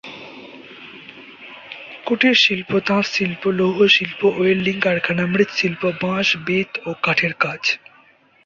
কুটিরশিল্প তাঁতশিল্প, লৌহশিল্প, ওয়েল্ডিং কারখানা, মৃৎশিল্প, বাঁশ, বেত ও কাঠের কাজ।